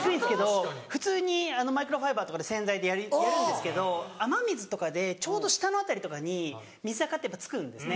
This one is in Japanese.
普通にマイクロファイバーとかで洗剤でやるんですけど雨水とかでちょうど下の辺りとかに水あかって付くんですね